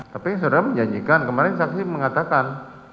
tapi saudara menjanjikan kemarin saksi mengatakan